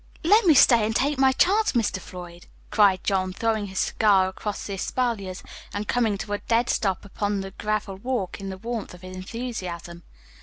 "Let me stay and take my chance, Mr. Floyd," cried John, throwing his cigar across the espaliers, and coming to a dead stop upon the gravel walk in the warmth of his enthusiasm.